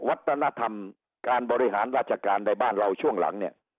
วัฒนธรรมการบริหารราชการในบ้านเราช่วงหลังเนี่ย